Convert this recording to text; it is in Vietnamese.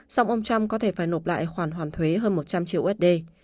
song ông trump có thể phải nộp lại khoản hoàn thuế hơn một trăm linh triệu usd